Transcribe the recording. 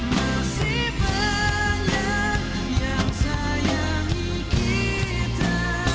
masih banyak yang sayangi kita